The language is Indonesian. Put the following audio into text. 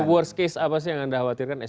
worst case apa sih yang anda khawatirkan